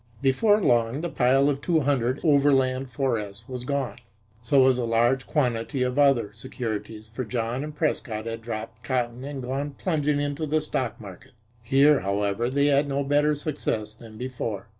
Before long the pile of two hundred Overland 4s was gone. So was a large quantity of other securities, for John and Prescott had dropped cotton and gone plunging into the stock market. Here, however, they had no better success than before.